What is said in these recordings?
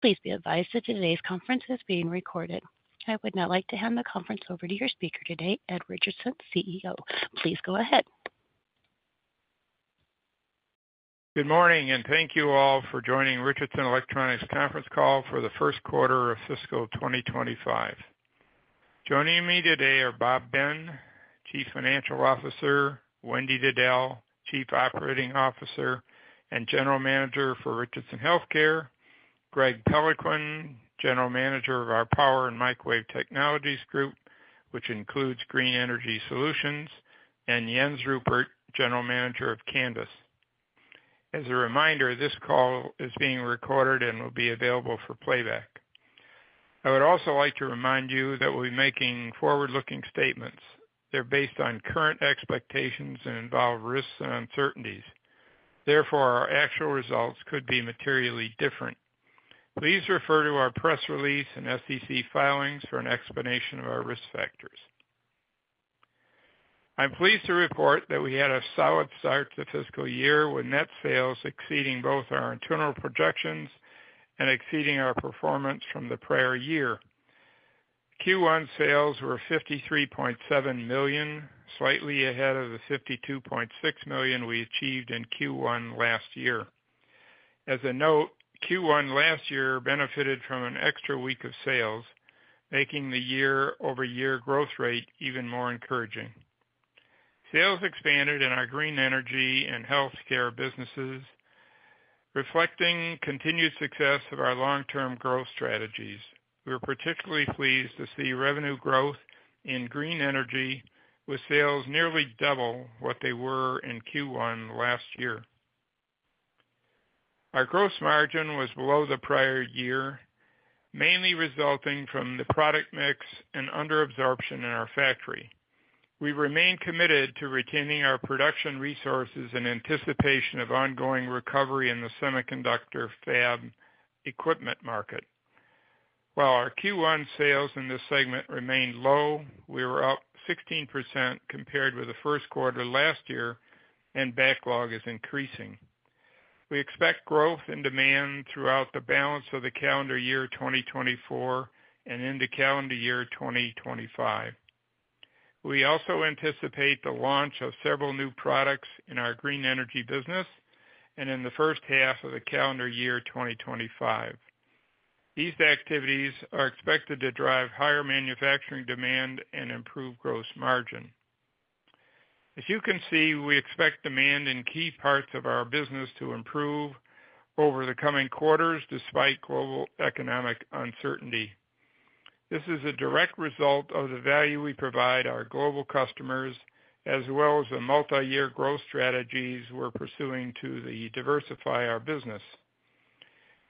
Please be advised that today's conference is being recorded. I would now like to hand the conference over to your speaker today, Ed Richardson, CEO. Please go ahead. Good morning, and thank you all for joining Richardson Electronics conference call for the first quarter of fiscal twenty twenty-five. Joining me today are Bob Ben, Chief Financial Officer, Wendy Diddell, Chief Operating Officer, and General Manager for Richardson Healthcare, Greg Peloquin, General Manager of our Power and Microwave Technologies Group, which includes Green Energy Solutions, and Jens Ruppert, General Manager of Canvys. As a reminder, this call is being recorded and will be available for playback. I would also like to remind you that we'll be making forward-looking statements. They're based on current expectations and involve risks and uncertainties. Therefore, our actual results could be materially different. Please refer to our press release and SEC filings for an explanation of our risk factors. I'm pleased to report that we had a solid start to the fiscal year, with net sales exceeding both our internal projections and exceeding our performance from the prior year. Q1 sales were $53.7 million, slightly ahead of the $52.6 million we achieved in Q1 last year. As a note, Q1 last year benefited from an extra week of sales, making the year-over-year growth rate even more encouraging. Sales expanded in our green energy and healthcare businesses, reflecting continued success of our long-term growth strategies. We were particularly pleased to see revenue growth in green energy, with sales nearly double what they were in Q1 last year. Our gross margin was below the prior year, mainly resulting from the product mix and under absorption in our factory. We remain committed to retaining our production resources in anticipation of ongoing recovery in the semiconductor fab equipment market. While our Q1 sales in this segment remained low, we were up 16% compared with the first quarter last year, and backlog is increasing. We expect growth and demand throughout the balance of the calendar year twenty twenty-four and into calendar year twenty twenty-five. We also anticipate the launch of several new products in our green energy business and in the first half of the calendar year twenty twenty-five. These activities are expected to drive higher manufacturing demand and improve gross margin. As you can see, we expect demand in key parts of our business to improve over the coming quarters, despite global economic uncertainty. This is a direct result of the value we provide our global customers, as well as the multi-year growth strategies we're pursuing to diversify our business.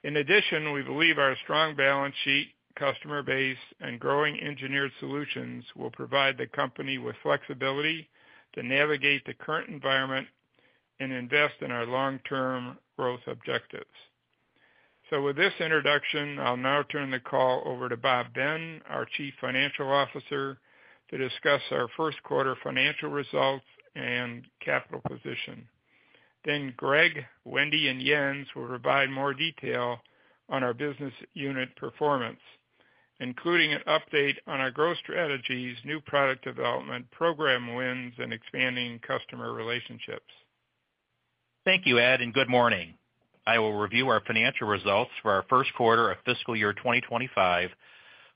In addition, we believe our strong balance sheet, customer base, and growing engineered solutions will provide the company with flexibility to navigate the current environment and invest in our long-term growth objectives. So with this introduction, I'll now turn the call over to Bob Ben, our Chief Financial Officer, to discuss our first quarter financial results and capital position. Then Greg, Wendy, and Jens will provide more detail on our business unit performance, including an update on our growth strategies, new product development, program wins, and expanding customer relationships. Thank you, Ed, and good morning. I will review our financial results for our first quarter of fiscal year 2025,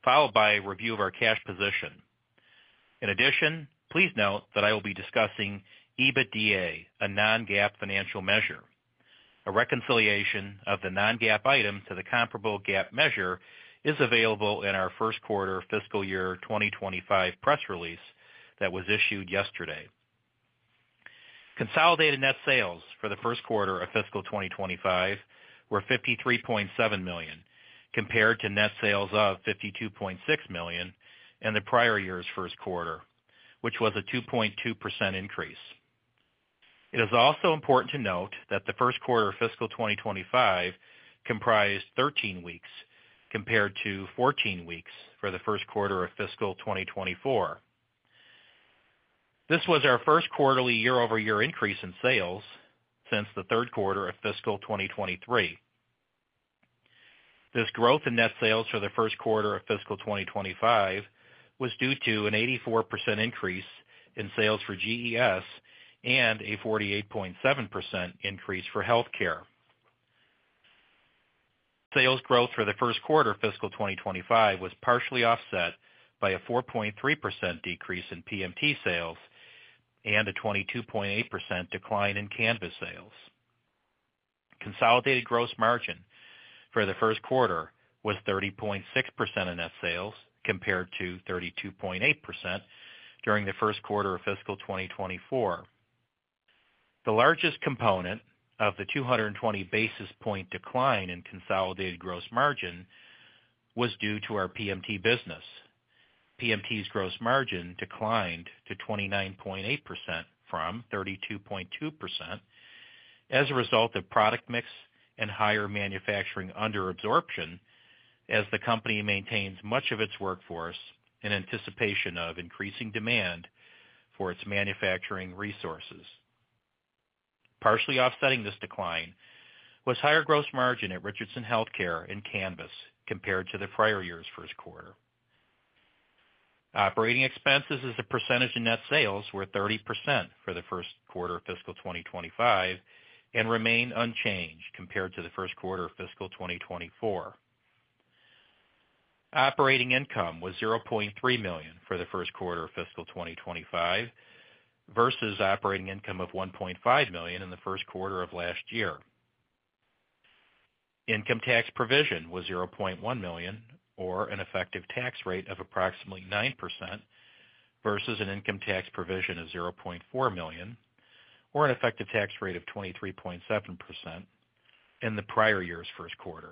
followed by a review of our cash position. In addition, please note that I will be discussing EBITDA, a non-GAAP financial measure. A reconciliation of the non-GAAP item to the comparable GAAP measure is available in our first quarter fiscal year 2025 press release that was issued yesterday. Consolidated net sales for the first quarter of fiscal 2025 were $53.7 million, compared to net sales of $52.6 million in the prior year's first quarter, which was a 2.2% increase. It is also important to note that the first quarter of fiscal 2025 comprised 13 weeks, compared to 14 weeks for the first quarter of fiscal 2024. This was our first quarterly year-over-year increase in sales since the third quarter of fiscal 2023. This growth in net sales for the first quarter of fiscal 2025 was due to an 84% increase in sales for GES and a 48.7% increase for healthcare. Sales growth for the first quarter of fiscal 2025 was partially offset by a 4.3% decrease in PMT sales and a 22.8% decline in Canvys sales. Consolidated gross margin for the first quarter was 30.6% of net sales, compared to 32.8% during the first quarter of fiscal 2024. The largest component of the 220 basis point decline in consolidated gross margin was due to our PMT business. PMT's gross margin declined to 29.8% from 32.2% as a result of product mix and higher manufacturing under absorption, as the company maintains much of its workforce in anticipation of increasing demand for its manufacturing resources. Partially offsetting this decline was higher gross margin at Richardson Healthcare and Canvys compared to the prior year's first quarter. Operating expenses as a percentage of net sales were 30% for the first quarter of fiscal 2025, and remain unchanged compared to the first quarter of fiscal 2024. Operating income was $0.3 million for the first quarter of fiscal 2025, versus operating income of $1.5 million in the first quarter of last year. Income tax provision was $0.1 million, or an effective tax rate of approximately 9%, versus an income tax provision of $0.4 million, or an effective tax rate of 23.7% in the prior year's first quarter.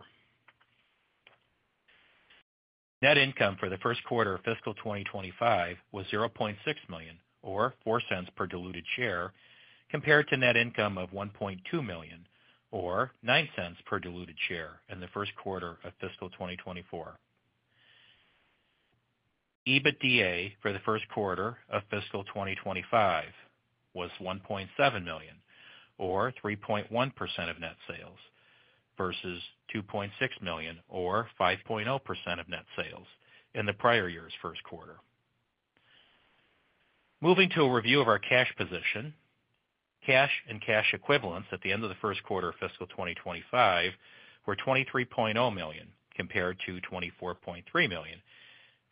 Net income for the first quarter of fiscal 2025 was $0.6 million, or $0.04 per diluted share, compared to net income of $1.2 million, or $0.09 per diluted share in the first quarter of fiscal 2024. EBITDA for the first quarter of fiscal 2025 was $1.7 million, or 3.1% of net sales, versus $2.6 million, or 5.0% of net sales in the prior year's first quarter. Moving to a review of our cash position. Cash and cash equivalents at the end of the first quarter of fiscal 2025 were $23.0 million, compared to $24.3 million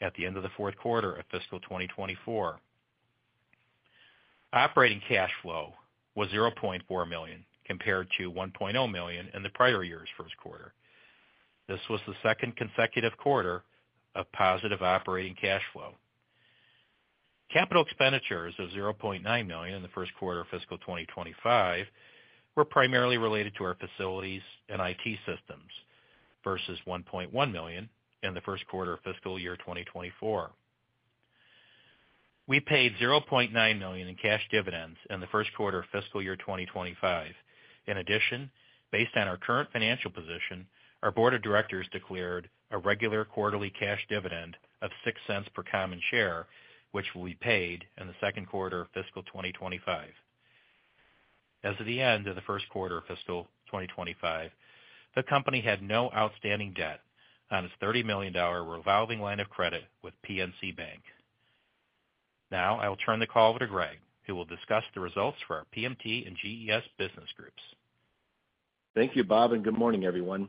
at the end of the fourth quarter of fiscal 2024. Operating cash flow was $0.4 million, compared to $1.0 million in the prior year's first quarter. This was the second consecutive quarter of positive operating cash flow. Capital expenditures of $0.9 million in the first quarter of fiscal 2025 were primarily related to our facilities and IT systems, versus $1.1 million in the first quarter of fiscal year 2024. We paid $0.9 million in cash dividends in the first quarter of fiscal year 2025. In addition, based on our current financial position, our board of directors declared a regular quarterly cash dividend of $0.06 per common share, which will be paid in the second quarter of fiscal 2025. As of the end of the first quarter of fiscal 2025, the company had no outstanding debt on its $30 million revolving line of credit with PNC Bank. Now, I will turn the call over to Greg, who will discuss the results for our PMT and GES business groups. Thank you, Bob, and good morning, everyone.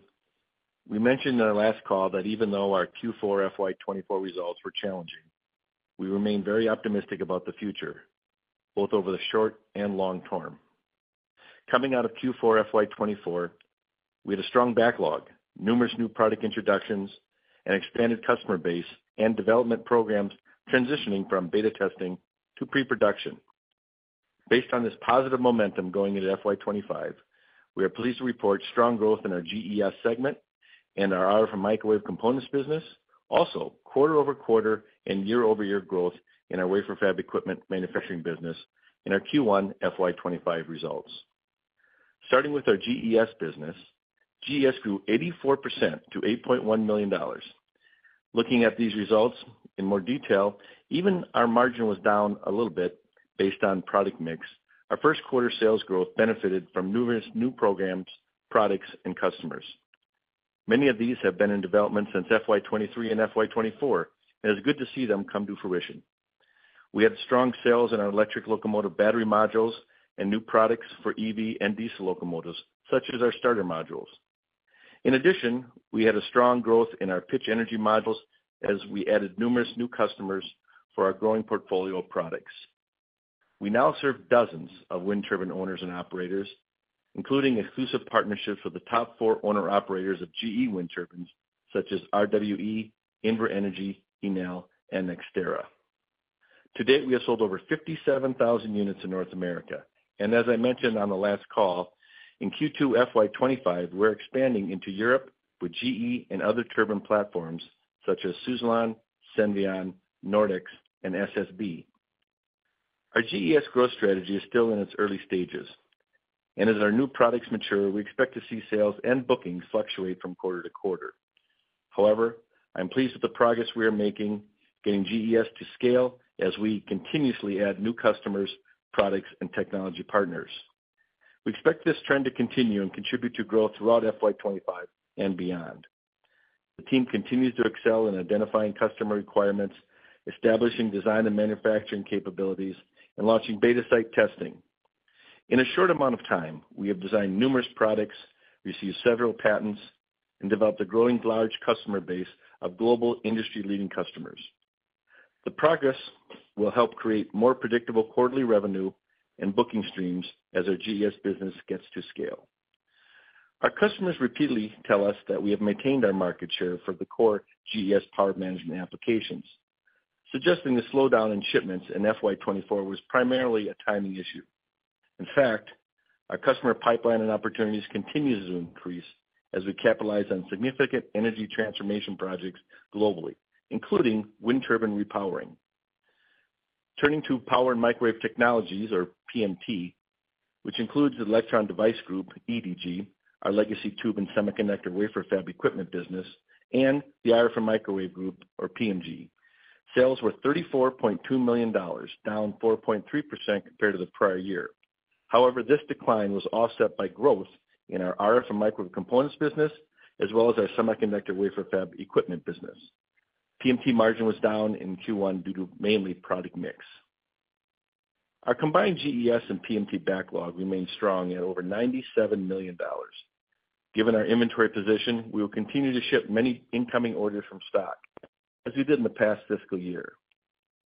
We mentioned in our last call that even though our Q4 FY 2024 results were challenging, we remain very optimistic about the future, both over the short and long term. Coming out of Q4 FY 2024, we had a strong backlog, numerous new product introductions, an expanded customer base, and development programs transitioning from beta testing to pre-production. Based on this positive momentum going into FY 2025, we are pleased to report strong growth in our GES segment and our RF microwave components business. Also, quarter-over-quarter and year-over-year growth in our wafer fab equipment manufacturing business in our Q1 FY 2025 results. Starting with our GES business, GES grew 84% to $8.1 million. Looking at these results in more detail, even our margin was down a little bit based on product mix. Our first quarter sales growth benefited from numerous new programs, products, and customers. Many of these have been in development since FY 2023 and FY 2024, and it's good to see them come to fruition. We had strong sales in our electric locomotive battery modules and new products for EV and diesel locomotives, such as our starter modules. In addition, we had a strong growth in our pitch energy modules as we added numerous new customers for our growing portfolio of products. We now serve dozens of wind turbine owners and operators, including exclusive partnerships with the top four owner-operators of GE wind turbines, such as RWE, Invenergy, Enel, and NextEra. To date, we have sold over 57,000 units in North America, and as I mentioned on the last call, in Q2 FY 2025, we're expanding into Europe with GE and other turbine platforms such as Suzlon, Senvion, Nordex, and SSB. Our GES growth strategy is still in its early stages, and as our new products mature, we expect to see sales and bookings fluctuate from quarter to quarter. However, I'm pleased with the progress we are making getting GES to scale as we continuously add new customers, products, and technology partners. We expect this trend to continue and contribute to growth throughout FY 2025 and beyond. The team continues to excel in identifying customer requirements, establishing design and manufacturing capabilities, and launching beta site testing. In a short amount of time, we have designed numerous products, received several patents, and developed a growing large customer base of global industry-leading customers. The progress will help create more predictable quarterly revenue and booking streams as our GES business gets to scale. Our customers repeatedly tell us that we have maintained our market share for the core GES power management applications, suggesting the slowdown in shipments in FY 2024 was primarily a timing issue. In fact, our customer pipeline and opportunities continues to increase as we capitalize on significant energy transformation projects globally, including wind turbine repowering. Turning to power and microwave technologies, or PMT, which includes the Electron Device Group, EDG, our legacy tube and semiconductor wafer fab equipment business, and the RF Microwave Group, or PMG. Sales were $34.2 million, down 4.3% compared to the prior year. However, this decline was offset by growth in our RF and microwave components business, as well as our semiconductor wafer fab equipment business. PMT margin was down in Q1 due to mainly product mix. Our combined GES and PMT backlog remains strong at over $97 million. Given our inventory position, we will continue to ship many incoming orders from stock, as we did in the past fiscal year.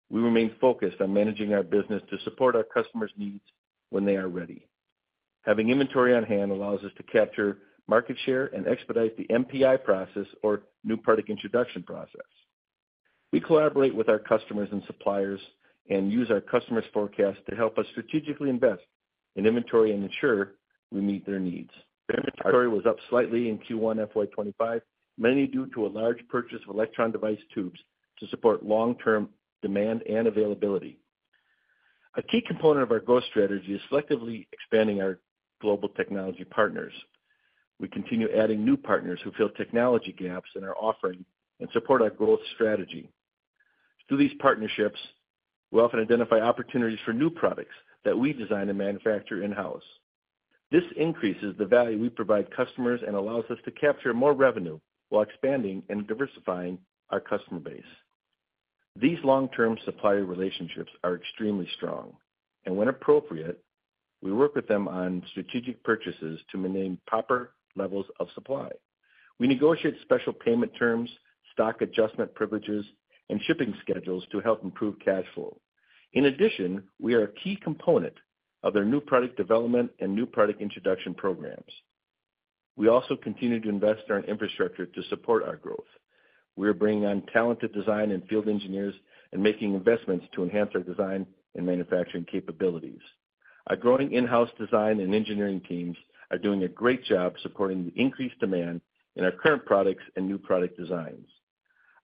We remain focused on managing our business to support our customers' needs when they are ready. Having inventory on hand allows us to capture market share and expedite the NPI process or new product introduction process. We collaborate with our customers and suppliers, and use our customers' forecast to help us strategically invest in inventory and ensure we meet their needs. Inventory was up slightly in Q1 FY 2025, mainly due to a large purchase of electron device tubes to support long-term demand and availability. A key component of our growth strategy is selectively expanding our global technology partners. We continue adding new partners who fill technology gaps in our offering and support our growth strategy. Through these partnerships, we often identify opportunities for new products that we design and manufacture in-house. This increases the value we provide customers and allows us to capture more revenue while expanding and diversifying our customer base. These long-term supplier relationships are extremely strong, and when appropriate, we work with them on strategic purchases to maintain proper levels of supply. We negotiate special payment terms, stock adjustment privileges, and shipping schedules to help improve cash flow. In addition, we are a key component of their new product development and new product introduction programs. We also continue to invest in our infrastructure to support our growth. We are bringing on talented design and field engineers and making investments to enhance our design and manufacturing capabilities. Our growing in-house design and engineering teams are doing a great job supporting the increased demand in our current products and new product designs.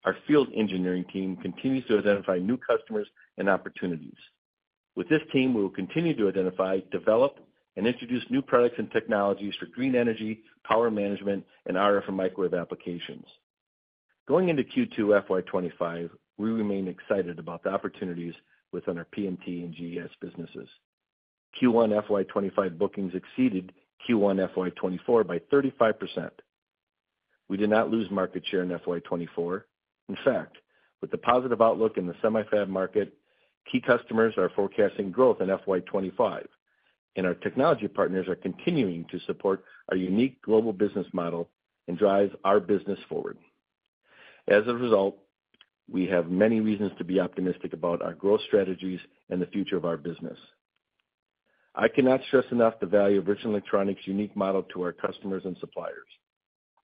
Our field engineering team continues to identify new customers and opportunities. With this team, we will continue to identify, develop, and introduce new products and technologies for green energy, power management, and RF and microwave applications. Going into Q2 FY 2025, we remain excited about the opportunities within our PMT and GES businesses. Q1 FY 2025 bookings exceeded Q1 FY 2024 by 35%. We did not lose market share in FY 2024. In fact, with the positive outlook in the semi-fab market, key customers are forecasting growth in FY 2025, and our technology partners are continuing to support our unique global business model and drive our business forward. As a result, we have many reasons to be optimistic about our growth strategies and the future of our business. I cannot stress enough the value of Richardson Electronics' unique model to our customers and suppliers.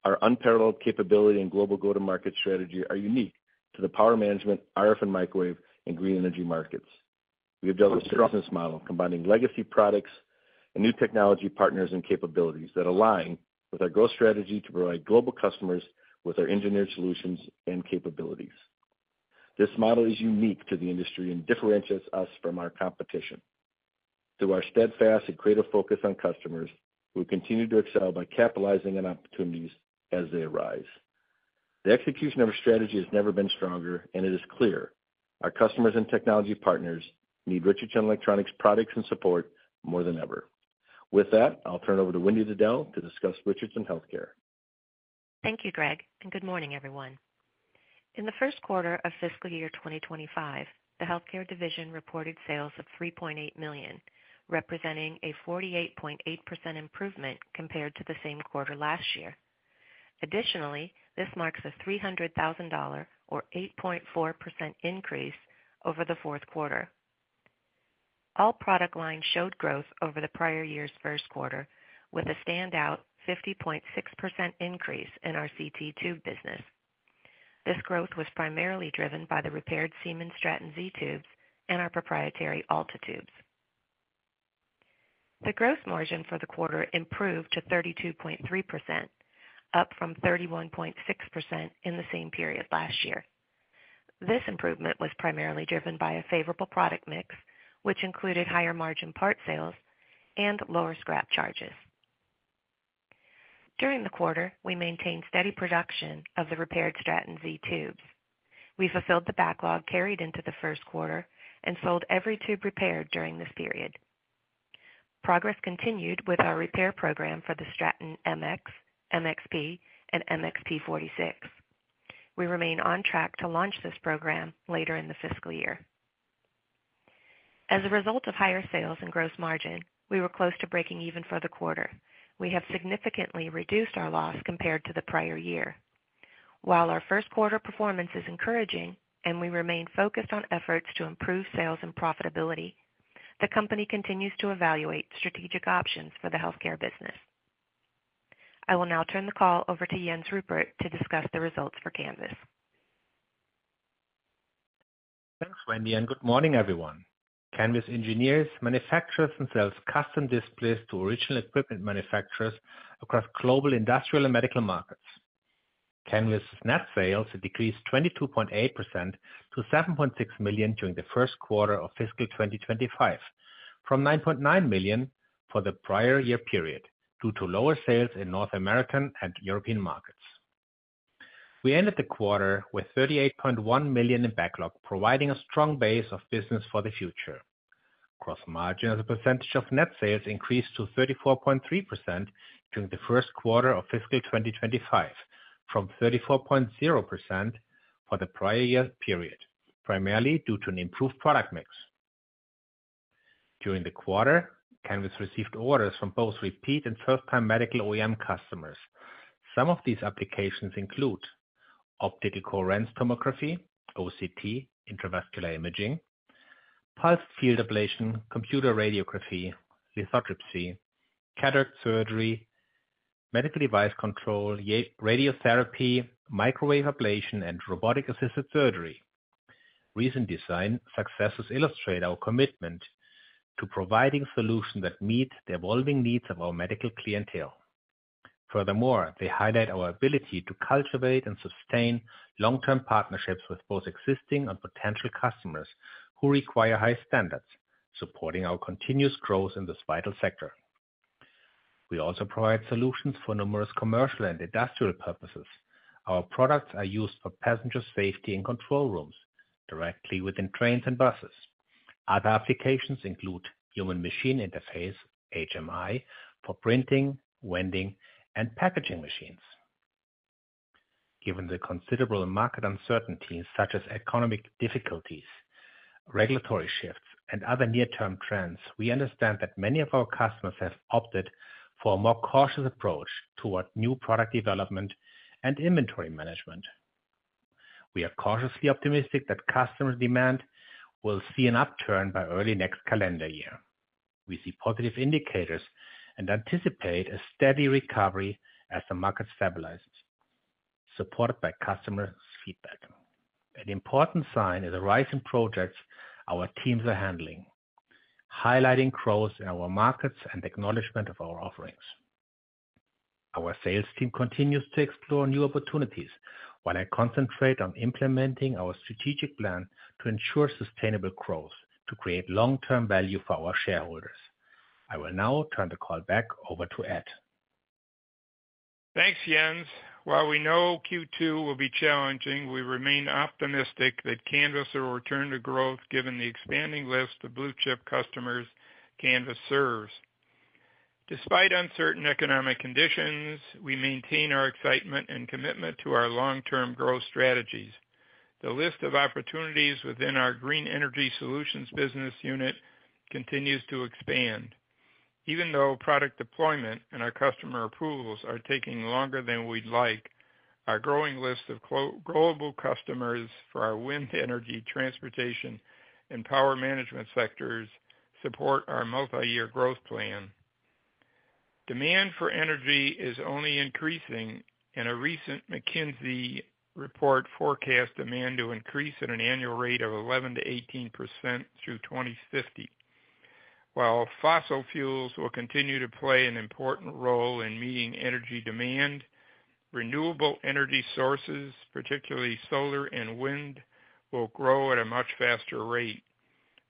Our unparalleled capability and global go-to-market strategy are unique to the power management, RF and microwave, and green energy markets. We have built a strong business model, combining legacy products and new technology partners and capabilities that align with our growth strategy to provide global customers with our engineered solutions and capabilities. This model is unique to the industry and differentiates us from our competition. Through our steadfast and creative focus on customers, we continue to excel by capitalizing on opportunities as they arise. The execution of our strategy has never been stronger, and it is clear our customers and technology partners need Richardson Electronics products and support more than ever. With that, I'll turn it over to Wendy Diddell to discuss Richardson Healthcare. Thank you, Greg, and good morning, everyone. In the first quarter of fiscal year 2025, the healthcare division reported sales of $3.8 million, representing a 48.8% improvement compared to the same quarter last year. Additionally, this marks a $300,000 or 8.4% increase over the fourth quarter. All product lines showed growth over the prior year's first quarter, with a standout 50.6% increase in our CT tube business. This growth was primarily driven by the repaired Siemens Straton Z tubes and our proprietary Alta tubes. The gross margin for the quarter improved to 32.3%, up from 31.6% in the same period last year. This improvement was primarily driven by a favorable product mix, which included higher-margin part sales and lower scrap charges. During the quarter, we maintained steady production of the repaired Straton Z tubes. We fulfilled the backlog carried into the first quarter and sold every tube repaired during this period. Progress continued with our repair program for the Straton MX, MXP, and MXP-46. We remain on track to launch this program later in the fiscal year. As a result of higher sales and gross margin, we were close to breaking even for the quarter. We have significantly reduced our loss compared to the prior year. While our first quarter performance is encouraging and we remain focused on efforts to improve sales and profitability, the company continues to evaluate strategic options for the healthcare business. I will now turn the call over to Jens Ruppert to discuss the results for Canvys. Thanks, Wendy, and good morning, everyone. Canvys engineers, manufactures, and sells custom displays to original equipment manufacturers across global, industrial, and medical markets. Canvys' net sales decreased 22.8% to $7.6 million during the first quarter of fiscal 2025, from $9.9 million for the prior year period, due to lower sales in North American and European markets. ... We ended the quarter with $38.1 million in backlog, providing a strong base of business for the future. Gross margin as a percentage of net sales increased to 34.3% during the first quarter of fiscal 2025, from 34.0% for the prior year period, primarily due to an improved product mix. During the quarter, Canvys received orders from both repeat and first-time medical OEM customers. Some of these applications include optical coherence tomography, OCT, intravascular imaging, pulsed field ablation, computed radiography, lithotripsy, cataract surgery, medical device control, radiotherapy, microwave ablation, and robotic-assisted surgery. Recent design successes illustrate our commitment to providing solutions that meet the evolving needs of our medical clientele. Furthermore, they highlight our ability to cultivate and sustain long-term partnerships with both existing and potential customers who require high standards, supporting our continuous growth in this vital sector. We also provide solutions for numerous commercial and industrial purposes. Our products are used for passenger safety and control rooms directly within trains and buses. Other applications include human machine interface, HMI, for printing, vending, and packaging machines. Given the considerable market uncertainties, such as economic difficulties, regulatory shifts, and other near-term trends, we understand that many of our customers have opted for a more cautious approach toward new product development and inventory management. We are cautiously optimistic that customer demand will see an upturn by early next calendar year. We see positive indicators and anticipate a steady recovery as the market stabilizes, supported by customer feedback. An important sign is a rise in projects our teams are handling, highlighting growth in our markets and acknowledgment of our offerings. Our sales team continues to explore new opportunities, while I concentrate on implementing our strategic plan to ensure sustainable growth, to create long-term value for our shareholders. I will now turn the call back over to Ed. Thanks, Jens. While we know Q2 will be challenging, we remain optimistic that Canvys will return to growth, given the expanding list of blue-chip customers Canvys serves. Despite uncertain economic conditions, we maintain our excitement and commitment to our long-term growth strategies. The list of opportunities within our Green Energy Solutions business unit continues to expand. Even though product deployment and our customer approvals are taking longer than we'd like, our growing list of global customers for our wind energy, transportation, and power management sectors support our multiyear growth plan. Demand for energy is only increasing, and a recent McKinsey report forecast demand to increase at an annual rate of 11%-18% through 2050. While fossil fuels will continue to play an important role in meeting energy demand, renewable energy sources, particularly solar and wind, will grow at a much faster rate.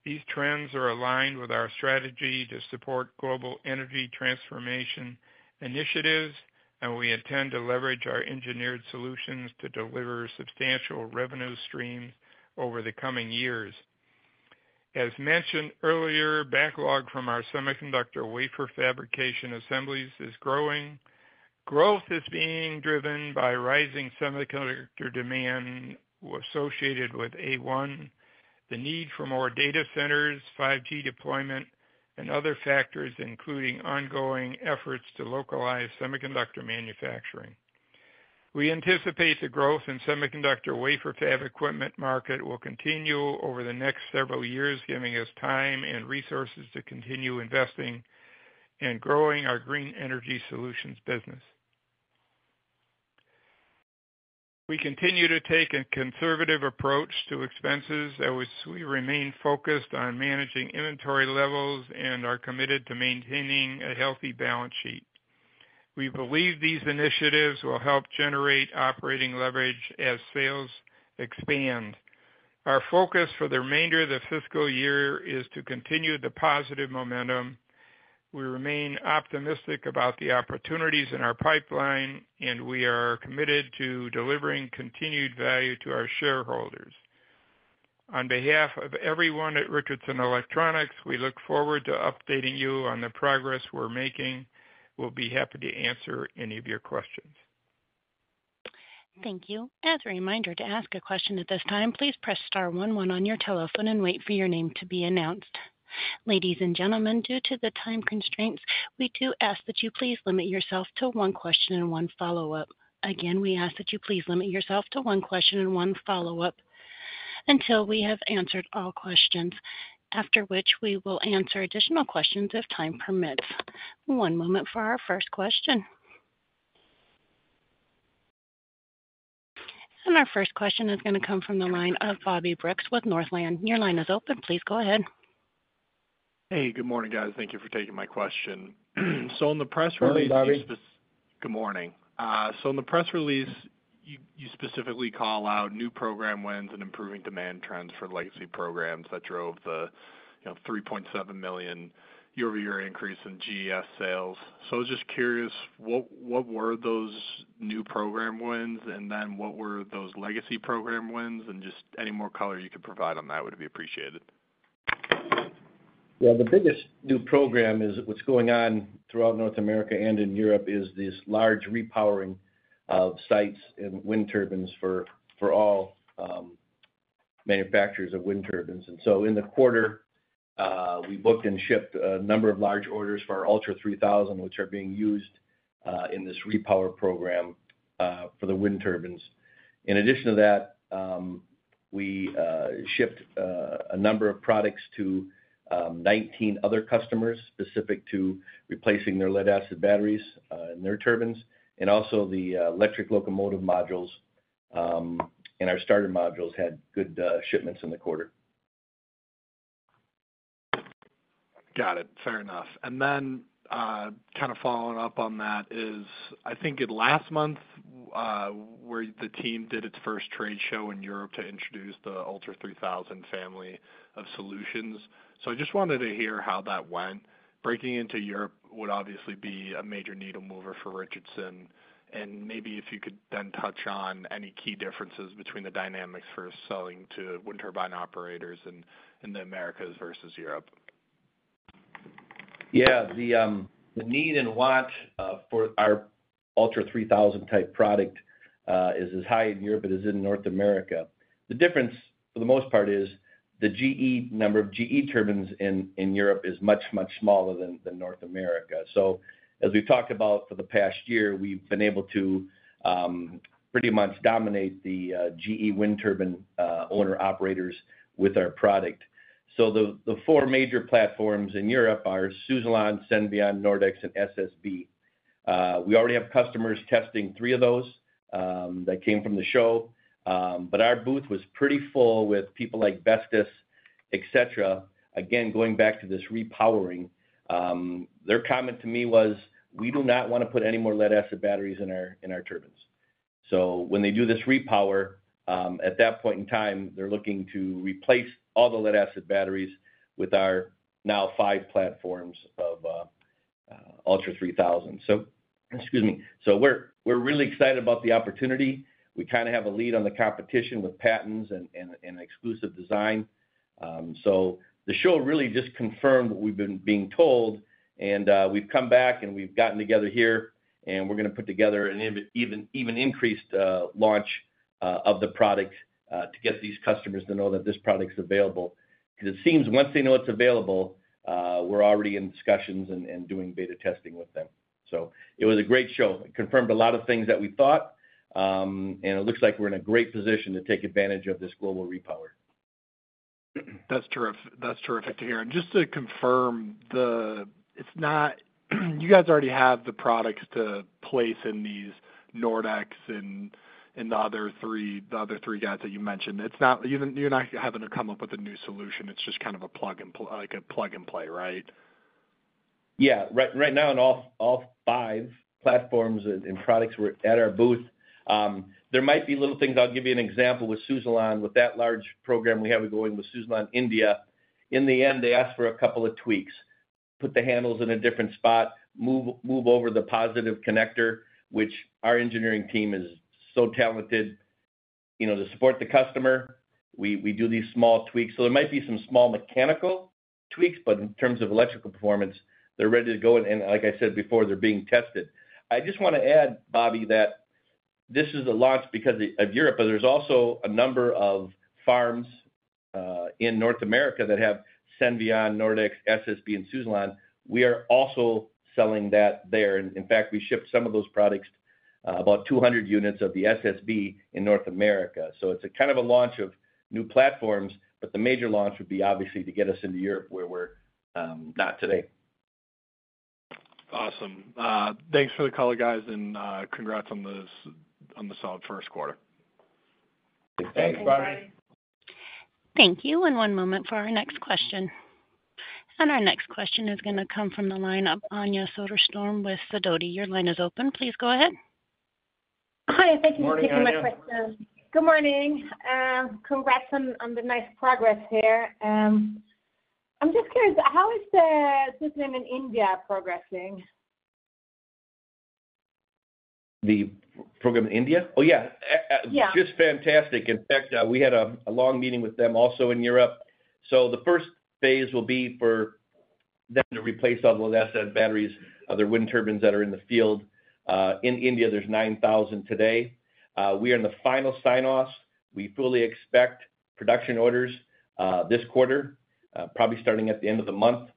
These trends are aligned with our strategy to support global energy transformation initiatives, and we intend to leverage our engineered solutions to deliver substantial revenue streams over the coming years. As mentioned earlier, backlog from our semiconductor wafer fabrication assemblies is growing. Growth is being driven by rising semiconductor demand associated with AI, the need for more data centers, 5G deployment, and other factors, including ongoing efforts to localize semiconductor manufacturing. We anticipate the growth in semiconductor wafer fab equipment market will continue over the next several years, giving us time and resources to continue investing and growing our Green Energy Solutions business. We continue to take a conservative approach to expenses, as we remain focused on managing inventory levels and are committed to maintaining a healthy balance sheet. We believe these initiatives will help generate operating leverage as sales expand. Our focus for the remainder of the fiscal year is to continue the positive momentum. We remain optimistic about the opportunities in our pipeline, and we are committed to delivering continued value to our shareholders. On behalf of everyone at Richardson Electronics, we look forward to updating you on the progress we're making. We'll be happy to answer any of your questions. Thank you. As a reminder, to ask a question at this time, please press star one one on your telephone and wait for your name to be announced. Ladies and gentlemen, due to the time constraints, we do ask that you please limit yourself to one question and one follow-up. Again, we ask that you please limit yourself to one question and one follow-up until we have answered all questions, after which we will answer additional questions if time permits. One moment for our first question, and our first question is going to come from the line of Bobby Brooks with Northland. Your line is open. Please go ahead. Hey, good morning, guys. Thank you for taking my question. So in the press release- Good morning, Bobby. Good morning. So in the press release, you specifically call out new program wins and improving demand trends for legacy programs that drove the, you know, $3.7 million year-over-year increase in GES sales. So I was just curious, what were those new program wins? And then what were those legacy program wins? And just any more color you could provide on that would be appreciated.... Yeah, the biggest new program is what's going on throughout North America and in Europe is these large repowering of sites and wind turbines for all manufacturers of wind turbines. And so in the quarter, we booked and shipped a number of large orders for our ULTRA3000, which are being used in this repower program for the wind turbines. In addition to that, we shipped a number of products to 19 other customers, specific to replacing their lead-acid batteries and their turbines, and also the electric locomotive modules and our starter modules had good shipments in the quarter. Got it. Fair enough. And then, kind of following up on that is, I think it last month, where the team did its first trade show in Europe to introduce the ULTRA3000 family of solutions. So I just wanted to hear how that went. Breaking into Europe would obviously be a major needle mover for Richardson, and maybe if you could then touch on any key differences between the dynamics for selling to wind turbine operators in the Americas versus Europe. Yeah, the need and want for our ULTRA3000 type product is as high in Europe as it is in North America. The difference, for the most part, is the number of GE turbines in Europe is much, much smaller than North America. So as we've talked about for the past year, we've been able to pretty much dominate the GE wind turbine owner-operators with our product. So the four major platforms in Europe are Suzlon, Senvion, Nordex, and SSB. We already have customers testing three of those that came from the show. But our booth was pretty full with people like Vestas, et cetera. Again, going back to this repowering, their comment to me was, "We do not want to put any more lead-acid batteries in our turbines." When they do this repower, at that point in time, they're looking to replace all the lead-acid batteries with our now five platforms of ULTRA3000. Excuse me. We're really excited about the opportunity. We kind of have a lead on the competition with patents and exclusive design. The show really just confirmed what we've been being told, and we've come back, and we've gotten together here, and we're gonna put together an even increased launch of the product to get these customers to know that this product's available. Because it seems once they know it's available, we're already in discussions and doing beta testing with them. So it was a great show. It confirmed a lot of things that we thought, and it looks like we're in a great position to take advantage of this global repower. That's terrific to hear. And just to confirm. It's not. You guys already have the products to place in these Nordex and the other three guys that you mentioned. It's not. You're not having to come up with a new solution, it's just kind of a plug and play, right? Yeah. Right now, all five platforms and products were at our booth. There might be little things. I'll give you an example with Suzlon. With that large program we have going with Suzlon, India, in the end, they asked for a couple of tweaks. Put the handles in a different spot, move over the positive connector, which our engineering team is so talented, you know, to support the customer. We do these small tweaks. So there might be some small mechanical tweaks, but in terms of electrical performance, they're ready to go. And like I said before, they're being tested. I just want to add, Bobby, that this is a launch because of Europe, but there's also a number of farms in North America that have Senvion, Nordex, SSB, and Suzlon. We are also selling that there. In fact, we shipped some of those products, about 200 units of the SSB in North America. So it's a kind of a launch of new platforms, but the major launch would be, obviously, to get us into Europe, where we're not today. Awesome. Thanks for the call, guys, and congrats on the solid first quarter. Thanks, Bobby. Thank you. And one moment for our next question. And our next question is gonna come from the line of Anja Soderstrom with Sidoti. Your line is open. Please go ahead. Hi, thank you for taking my question. Good morning, Anja. Good morning, and congrats on the nice progress here. I'm just curious, how is the system in India progressing? The program in India? Oh, yeah. Yeah. Just fantastic. In fact, we had a long meeting with them also in Europe. So the first phase will be for them to replace all the lead-acid batteries of their wind turbines that are in the field. In India, there's 9,000 today. We are in the final sign-offs. We fully expect production orders this quarter, probably starting at the end of the month,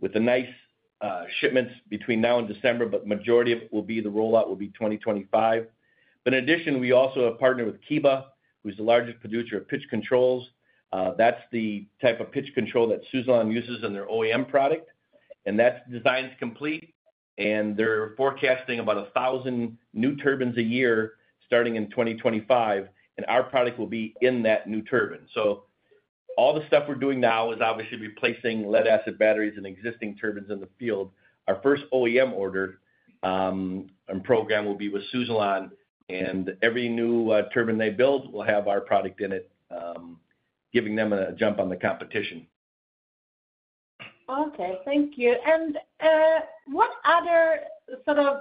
with the nice shipments between now and December, but majority of it will be the rollout, will be 2025. But in addition, we also have partnered with KEBA, who's the largest producer of pitch controls. That's the type of pitch control that Suzlon uses in their OEM product, and that design is complete, and they're forecasting about 1,000 new turbines a year, starting in 2025, and our product will be in that new turbine. So all the stuff we're doing now is obviously replacing lead-acid batteries in existing turbines in the field. Our first OEM order, and program will be with Suzlon, and every new, turbine they build will have our product in it, giving them a jump on the competition.... Okay, thank you. And what other sort of,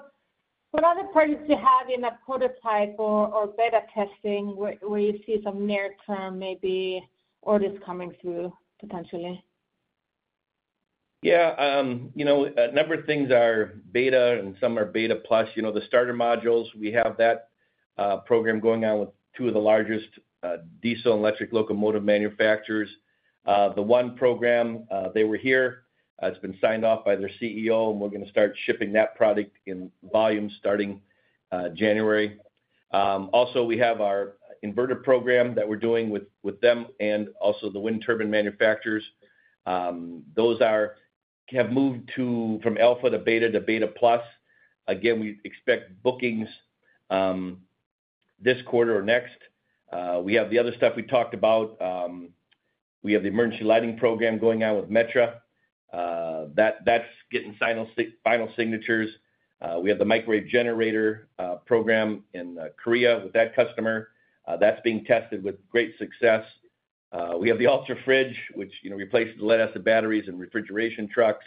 what other products do you have in a prototype or beta testing where you see some near-term maybe orders coming through potentially? Yeah, you know, a number of things are beta and some are beta plus. You know, the starter modules, we have that program going on with two of the largest diesel and electric locomotive manufacturers. The one program, they were here, it's been signed off by their CEO, and we're going to start shipping that product in volume starting January. Also, we have our inverter program that we're doing with them and also the wind turbine manufacturers. Those have moved from alpha to beta to beta plus. Again, we expect bookings this quarter or next. We have the other stuff we talked about. We have the emergency lighting program going on with Metra. That's getting final signatures. We have the microwave generator program in Korea with that customer. That's being tested with great success. We have the Ultra Fridge, which, you know, replaces the lead-acid batteries and refrigeration trucks.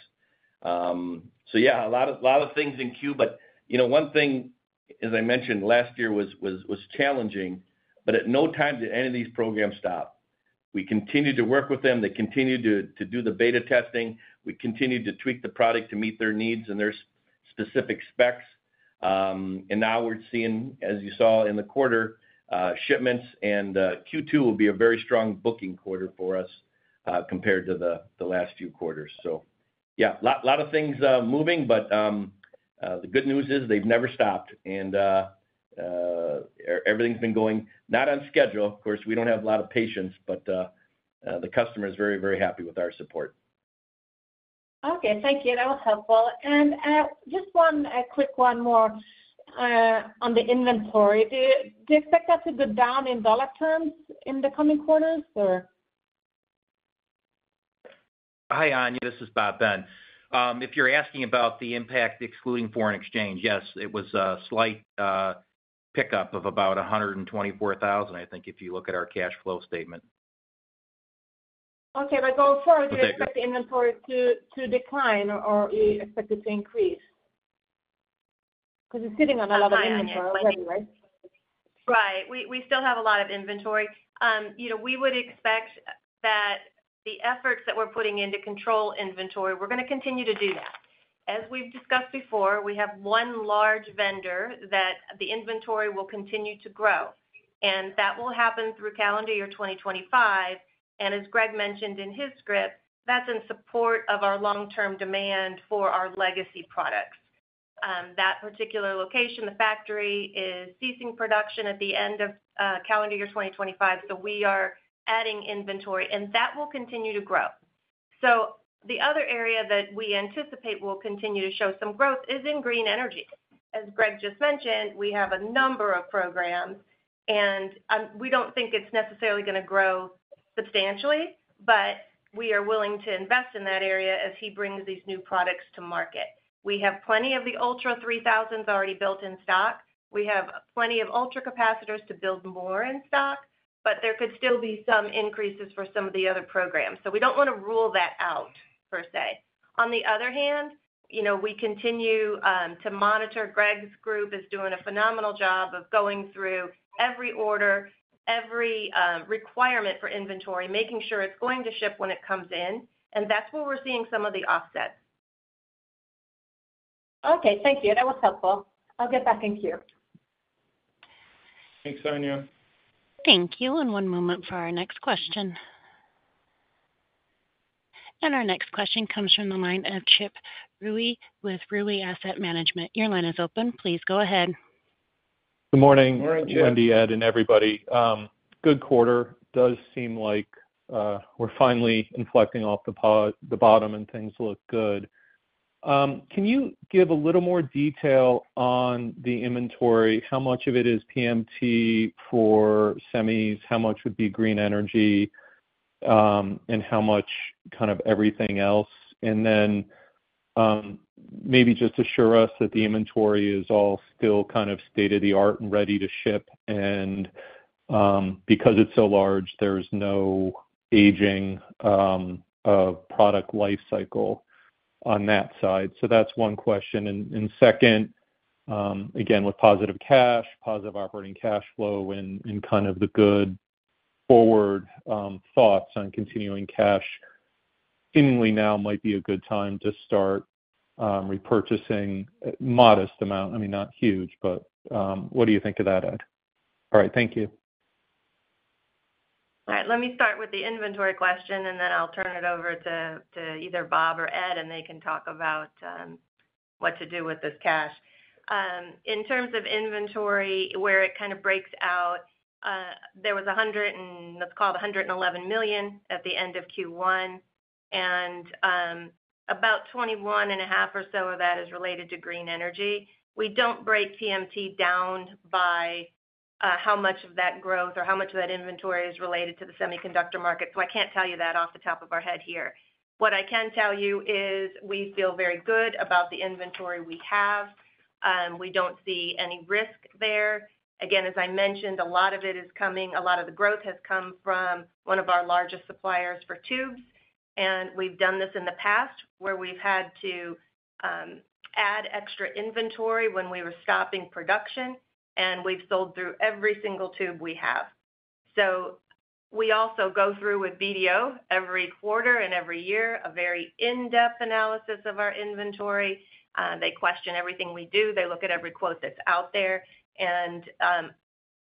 So yeah, a lot of things in queue, but, you know, one thing, as I mentioned, last year was challenging, but at no time did any of these programs stop. We continued to work with them. They continued to do the beta testing. We continued to tweak the product to meet their needs and their specific specs. And now we're seeing, as you saw in the quarter, shipments, and Q2 will be a very strong booking quarter for us, compared to the last few quarters. So yeah, a lot of things moving, but the good news is they've never stopped, and everything's been going, not on schedule, of course. We don't have a lot of patience, but the customer is very, very happy with our support. Okay, thank you. That was helpful and, just one, a quick one more, on the inventory. Do you expect that to go down in dollar terms in the coming quarters, or? Hi, Anja, this is Bob Ben. If you're asking about the impact excluding foreign exchange, yes, it was a slight pickup of about $124,000, I think, if you look at our cash flow statement. Okay, but going forward- Okay. Do you expect the inventory to decline or you expect it to increase? Because you're sitting on a lot of inventory anyway. Right. We still have a lot of inventory. You know, we would expect that the efforts that we're putting in to control inventory, we're gonna continue to do that. As we've discussed before, we have one large vendor that the inventory will continue to grow, and that will happen through calendar year 2025. And as Greg mentioned in his script, that's in support of our long-term demand for our legacy products. That particular location, the factory, is ceasing production at the end of calendar year 2025, so we are adding inventory, and that will continue to grow. The other area that we anticipate will continue to show some growth is in green energy. As Greg just mentioned, we have a number of programs, and, we don't think it's necessarily gonna grow substantially, but we are willing to invest in that area as he brings these new products to market. We have plenty of the ULTRA3000s already built in stock. We have plenty of ultracapacitors to build more in stock, but there could still be some increases for some of the other programs. So we don't want to rule that out per se. On the other hand, you know, we continue to monitor. Greg's group is doing a phenomenal job of going through every order, every requirement for inventory, making sure it's going to ship when it comes in, and that's where we're seeing some of the offsets. Okay, thank you. That was helpful. I'll get back in queue. Thanks, Anja. Thank you, and one moment for our next question, and our next question comes from the line of Chip Rewey with Rewey Asset Management. Your line is open. Please go ahead. Good morning- Good morning, Chip.... Wendy, Ed, and everybody. Good quarter. Does seem like, we're finally inflecting off the bottom, and things look good. Can you give a little more detail on the inventory? How much of it is PMT for semis, how much would be green energy, and how much kind of everything else? And then, maybe just assure us that the inventory is all still kind of state-of-the-art and ready to ship, and, because it's so large, there's no aging, product life cycle on that side. So that's one question. And, second, again, with positive cash, positive operating cash flow and, kind of the good forward, thoughts on continuing cash, seemingly now might be a good time to start, repurchasing a modest amount. I mean, not huge, but, what do you think of that, Ed? All right. Thank you. All right. Let me start with the inventory question, and then I'll turn it over to either Bob or Ed, and they can talk about what to do with this cash. In terms of inventory, where it kind of breaks out, there was $111 million at the end of Q1, and about $21.5 million or so of that is related to green energy. We don't break PMT down by how much of that growth or how much of that inventory is related to the semiconductor market, so I can't tell you that off the top of our head here. What I can tell you is we feel very good about the inventory we have. We don't see any risk there. Again, as I mentioned, a lot of it is coming, a lot of the growth has come from one of our largest suppliers for tubes, and we've done this in the past, where we've had to add extra inventory when we were stopping production, and we've sold through every single tube we have. So we also go through with BDO every quarter and every year a very in-depth analysis of our inventory. They question everything we do. They look at every quote that's out there, and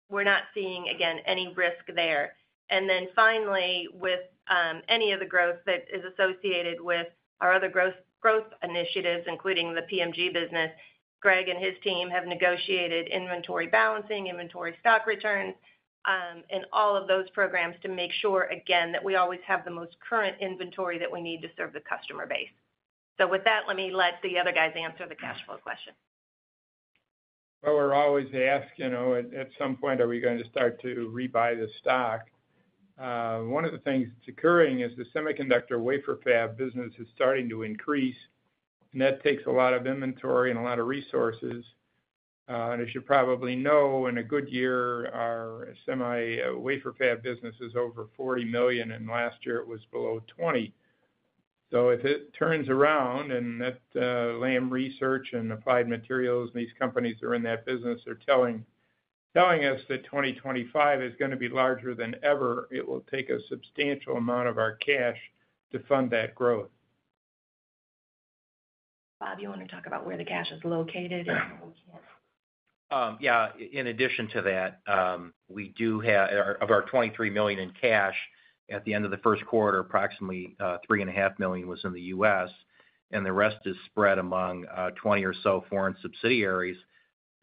we're not seeing, again, any risk there. And then finally, with any of the growth that is associated with our other growth initiatives, including the PMT business, Greg and his team have negotiated inventory balancing, inventory stock returns, and all of those programs to make sure, again, that we always have the most current inventory that we need to serve the customer base. So with that, let me let the other guys answer the cash flow question. Well, we're always asked, you know, at some point, are we going to start to rebuy the stock? One of the things that's occurring is the semiconductor wafer fab business is starting to increase, and that takes a lot of inventory and a lot of resources. And as you probably know, in a good year, our semi wafer fab business is over $40 million, and last year it was below $20 million. So if it turns around and that, Lam Research and Applied Materials and these companies are in that business are telling us that 2025 is gonna be larger than ever, it will take a substantial amount of our cash to fund that growth. Bob, you want to talk about where the cash is located? Yeah. In addition to that, we do have of our $23 million in cash, at the end of the first quarter, approximately $3.5 million was in the U.S., and the rest is spread among 20 or so foreign subsidiaries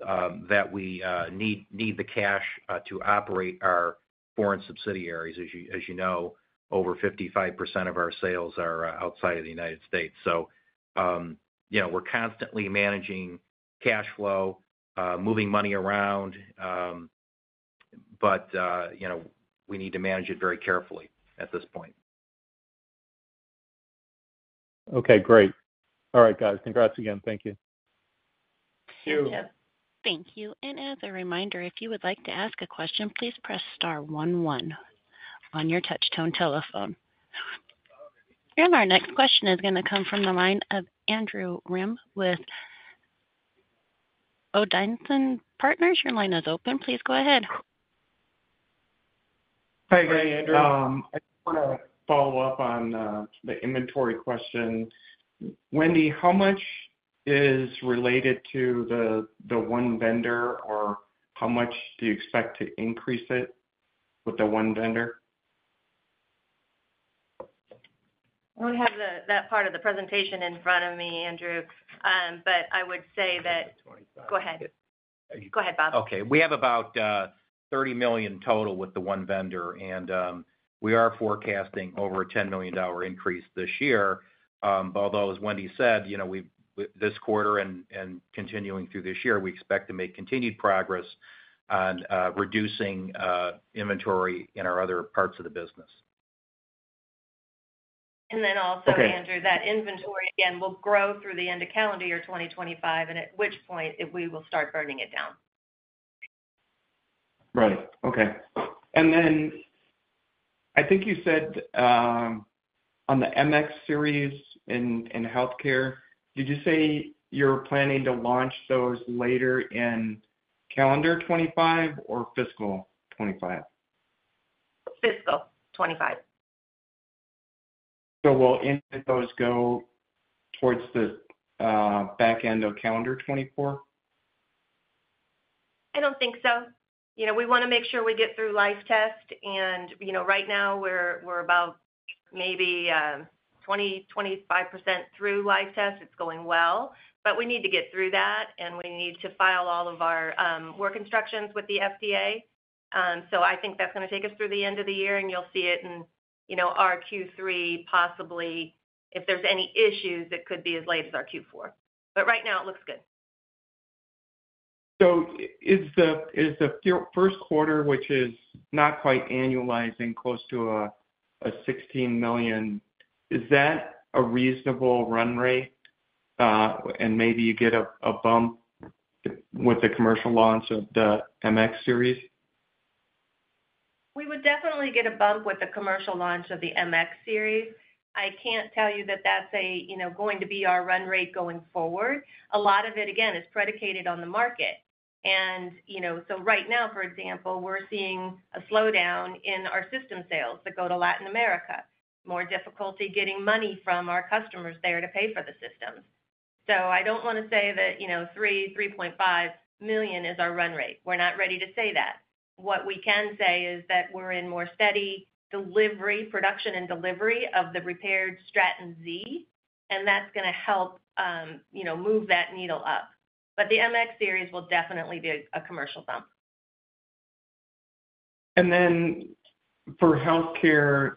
that we need the cash to operate our foreign subsidiaries. As you know, over 55% of our sales are outside of the United States. So, you know, we're constantly managing cash flow, moving money around, but you know, we need to manage it very carefully at this point. Okay, great. All right, guys. Congrats again. Thank you. Thank you. Thank you. And as a reminder, if you would like to ask a question, please press star one one on your touch tone telephone. And our next question is gonna come from the line of Andrew Rem with Odin Partners. Your line is open. Please go ahead. Hi, Geg, Andrew. I just want to follow up on the inventory question. Wendy, how much is related to the one vendor, or how much do you expect to increase it with the one vendor? I don't have that part of the presentation in front of me, Andrew, but I would say that. Go ahead. Go ahead, Bob. Okay. We have about $30 million total with the one vendor, and we are forecasting over a $10 million increase this year. Although, as Wendy said, you know, this quarter and continuing through this year, we expect to make continued progress on reducing inventory in our other parts of the business. And then also- Okay... Andrew, that inventory again, will grow through the end of calendar year 2025, and at which point, if we will start burning it down. Right. Okay. And then I think you said, on the MX series in healthcare, did you say you're planning to launch those later in calendar 2025 or fiscal 2025? Fiscal 25. So will any of those go towards the back end of calendar 2024? I don't think so. You know, we wanna make sure we get through life test, and, you know, right now we're about maybe 20%-25% through life test. It's going well, but we need to get through that, and we need to file all of our work instructions with the FDA. So I think that's gonna take us through the end of the year, and you'll see it in, you know, our Q3, possibly. If there's any issues, it could be as late as our Q4. But right now it looks good. Is the first quarter, which is not quite annualizing, close to $16 million, is that a reasonable run rate, and maybe you get a bump with the commercial launch of the MX series? We would definitely get a bump with the commercial launch of the MX series. I can't tell you that that's a, you know, going to be our run rate going forward. A lot of it, again, is predicated on the market. And, you know, so right now, for example, we're seeing a slowdown in our system sales that go to Latin America. More difficulty getting money from our customers there to pay for the systems. So I don't want to say that, you know, $3.5 million is our run rate. We're not ready to say that. What we can say is that we're in more steady delivery, production and delivery of the repaired Straton Z, and that's gonna help, you know, move that needle up. But the MX series will definitely be a commercial bump. And then for healthcare,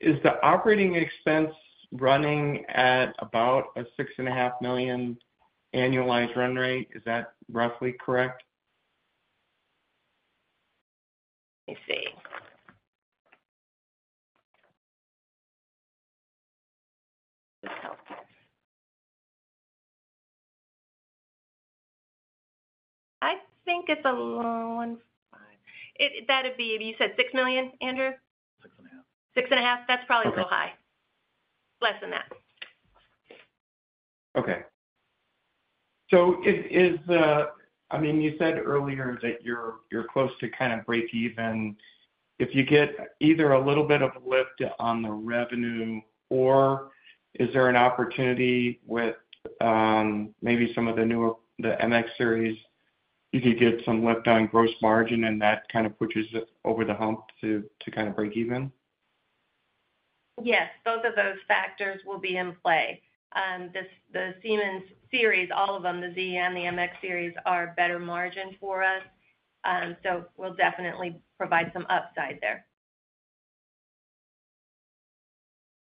is the operating expense running at about a $6.5 million annualized run rate? Is that roughly correct? Let's see. I think it's a one five. That'd be, you said six million, Andrew? 6.5. Six and a half? That's probably a little high. Less than that. Okay. So is, I mean, you said earlier that you're close to kind of breakeven. If you get either a little bit of a lift on the revenue or is there an opportunity with maybe some of the newer MX series, you could get some lift on gross margin, and that kind of pushes it over the hump to kind of breakeven? Yes, both of those factors will be in play. This, the Siemens series, all of them, the ZM, the MX series, are better margin for us. So we'll definitely provide some upside there.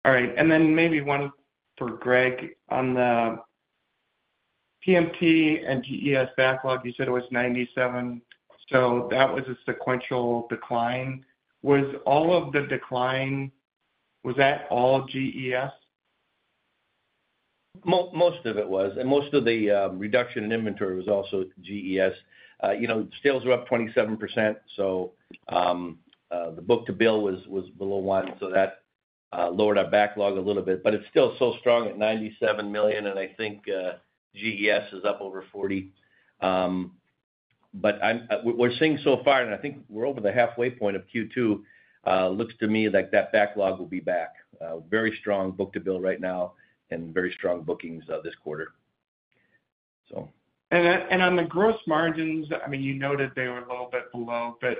All right. And then maybe one for Greg. On the PMT and GES backlog, you said it was 97, so that was a sequential decline. Was all of the decline, was that all GES? Most of it was, and most of the reduction in inventory was also GES. You know, sales were up 27%, so the book-to-bill was below one, so that lowered our backlog a little bit. But it's still so strong at $97 million, and I think GES is up over 40%. But we're seeing so far, and I think we're over the halfway point of Q2. It looks to me like that backlog will be back. Very strong book-to-bill right now and very strong bookings this quarter, so. On the gross margins, I mean, you noted they were a little bit below, but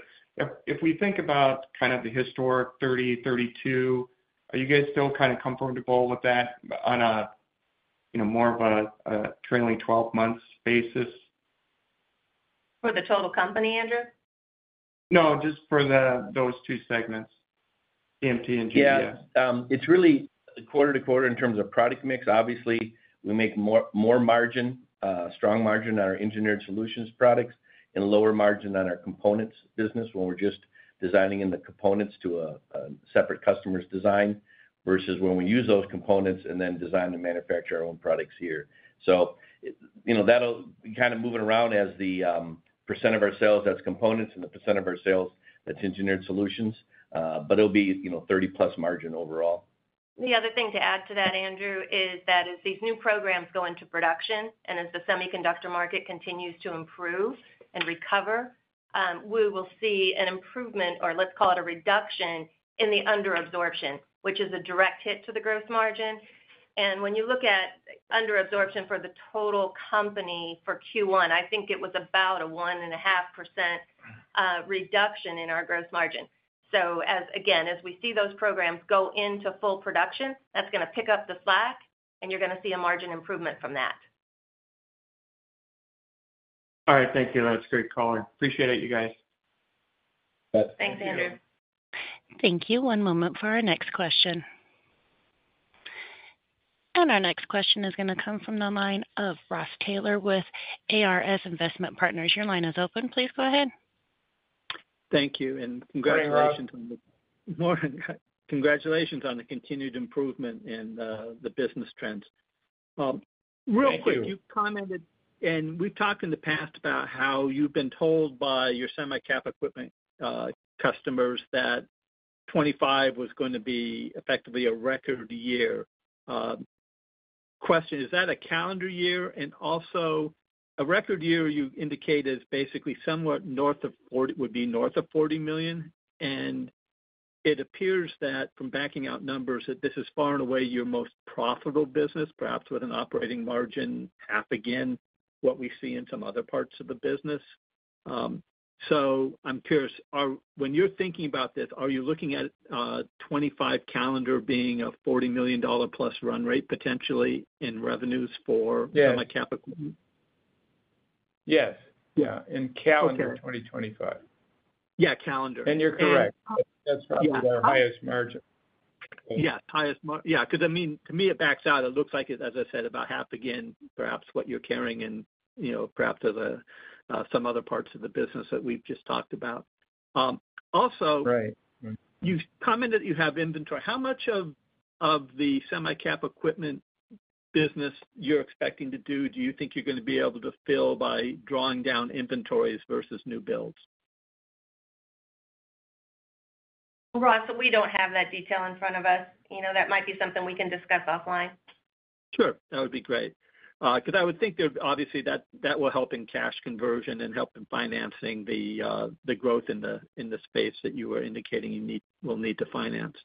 if we think about kind of the historic 30-32, are you guys still kind of comfortable with that on a, you know, more of a trailing twelve months basis? For the total company, Andrew? No, just for those two segments, PMT and GES. Yeah. It's really quarter to quarter in terms of product mix. Obviously, we make more margin, strong margin on our engineered solutions products and lower margin on our components business when we're just designing in the components to a separate customer's design, versus when we use those components and then design to manufacture our own products here. So, you know, that'll be kind of moving around as the % of our sales, that's components and the % of our sales, that's engineered solutions, but it'll be, you know, 30-plus margin overall. The other thing to add to that, Andrew, is that as these new programs go into production and as the semiconductor market continues to improve and recover, we will see an improvement, or let's call it a reduction, in the under absorption, which is a direct hit to the gross margin. When you look at under absorption for the total company for Q1, I think it was about a 1.5% reduction in our gross margin. As, again, as we see those programs go into full production, that's gonna pick up the slack, and you're gonna see a margin improvement from that. All right. Thank you. That's great color. Appreciate it, you guys. Yep. Thanks, Andrew. Thank you. One moment for our next question, and our next question is gonna come from the line of Ross Taylor with ARS Investment Partners. Your line is open. Please go ahead. Thank you, and congratulations. Good morning, Ross. Congratulations on the continued improvement in the business trends. Thank you. Real quick, you commented, and we've talked in the past about how you've been told by your semi-cap equipment customers that 2025 was going to be effectively a record year. Question, is that a calendar year? And also, a record year, you indicated, is basically somewhat north of $40 million, and it appears that from backing out numbers, that this is far and away your most profitable business, perhaps with an operating margin half again what we see in some other parts of the business. So I'm curious, are you looking at 2025 calendar being a $40 million plus run rate, potentially in revenues for- Yeah... semi-cap equipment? Yes. Yeah. In calendar- Okay... 2025. Yeah, calendar. You're correct. Yeah. That's probably our highest margin. Yeah, 'cause I mean, to me, it backs out. It looks like it, as I said, about half again, perhaps what you're carrying and, you know, perhaps other some other parts of the business that we've just talked about. Also- Right. You've commented you have inventory. How much of the semi-cap equipment business you're expecting to do you think you're gonna be able to fill by drawing down inventories versus new builds? Ross, so we don't have that detail in front of us. You know, that might be something we can discuss offline. Sure, that would be great. 'Cause I would think that, obviously, that will help in cash conversion and help in financing the growth in the space that you were indicating you need, will need to finance.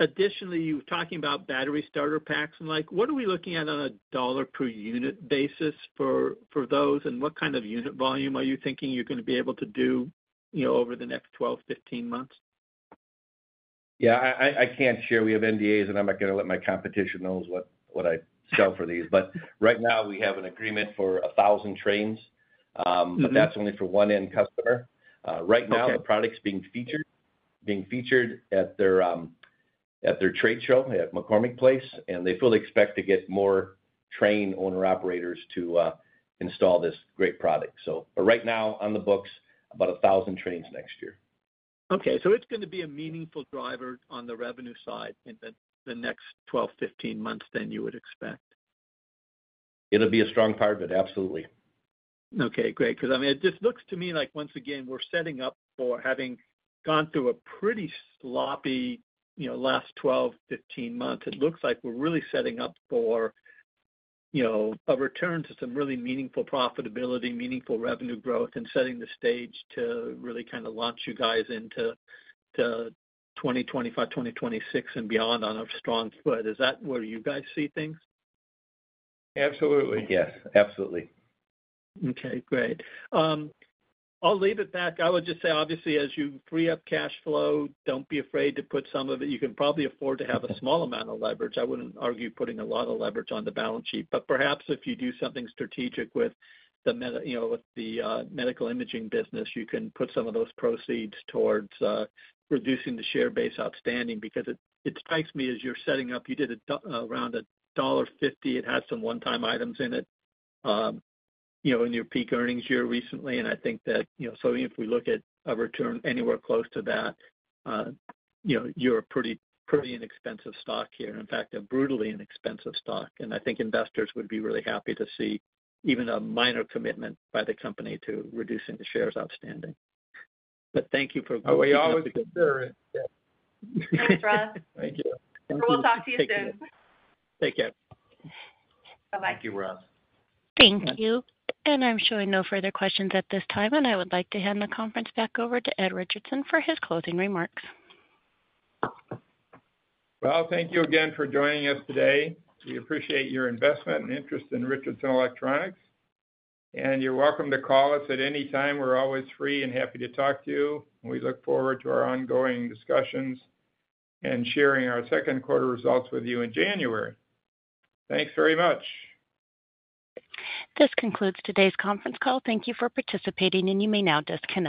Additionally, you were talking about battery starter packs and like, what are we looking at on a dollar per unit basis for those? And what kind of unit volume are you thinking you're gonna be able to do, you know, over the next 12, 15 months? Yeah, I can't share. We have NDAs, and I'm not gonna let my competition knows what I sell for these. But right now we have an agreement for a thousand trains. But that's only for one end customer. Okay. Right now, the product's being featured at their trade show at McCormick Place, and they fully expect to get more.... train owner-operators to install this great product. So but right now, on the books, about 1,000 trains next year. Okay. So it's gonna be a meaningful driver on the revenue side in the next 12-15 months than you would expect? It'll be a strong part of it, absolutely. Okay, great. 'Cause I mean, it just looks to me like, once again, we're setting up for having gone through a pretty sloppy, you know, last twelve, fifteen months. It looks like we're really setting up for, you know, a return to some really meaningful profitability, meaningful revenue growth, and setting the stage to really kind of launch you guys into the twenty twenty-five, twenty twenty-six, and beyond on a strong foot. Is that where you guys see things? Absolutely. Yes, absolutely. Okay, great. I'll leave it back. I would just say, obviously, as you free up cash flow, don't be afraid to put some of it. You can probably afford to have a small amount of leverage. I wouldn't argue putting a lot of leverage on the balance sheet, but perhaps if you do something strategic with the medical, you know, with the medical imaging business, you can put some of those proceeds towards reducing the share base outstanding. Because it strikes me as you're setting up, you did it around $1.50, it had some one-time items in it, you know, in your peak earnings year recently, and I think that, you know, so if we look at a return anywhere close to that, you know, you're a pretty, pretty inexpensive stock here. In fact, a brutally inexpensive stock. I think investors would be really happy to see even a minor commitment by the company to reducing the shares outstanding. Thank you for- Oh, we always consider it. Thanks, Ross. Thank you. Thank you. So we'll talk to you soon. Take care. Bye-bye. Thank you, Ross. Thank you, and I'm showing no further questions at this time, and I would like to hand the conference back over to Ed Richardson for his closing remarks. Thank you again for joining us today. We appreciate your investment and interest in Richardson Electronics, and you're welcome to call us at any time. We're always free and happy to talk to you, and we look forward to our ongoing discussions and sharing our second quarter results with you in January. Thanks very much. This concludes today's conference call. Thank you for participating, and you may now disconnect.